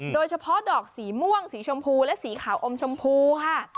โดยเฉพาะดอกสีม่วงสีชมพูและสีขาวอมชมพูค่ะ